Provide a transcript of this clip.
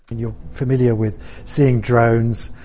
anda familiar dengan melihat drone